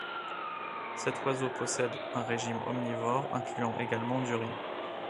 Cet oiseau possède un régime omnivore incluant également du riz.